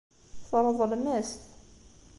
Tṛeḍlem-as-t.